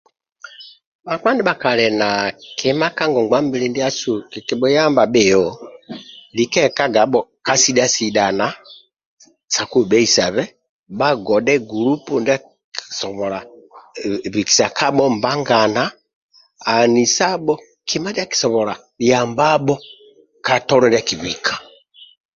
Bhakpa ndibha kali na kima ka ngongwa mbili diasu kikibhuyamba bhiyo lika ekabho ka sidha sidhana sa kubheisabe bhagodhe gulupu andia akisobola bikisa kabho mbagana anisabho kima ndia akisobola yambabho ka tolo ndia akibika